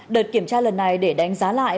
đợt kiểm tra lần này để đánh giá lại